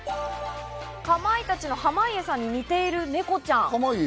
かまいたちの濱家さんに似ているネコちゃん。